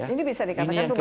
ini bisa dikatakan